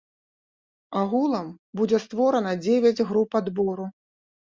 Агулам будзе створана дзевяць груп адбору.